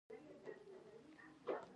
دا د جګړه مارۍ پای ته رسولو په معنا نه و.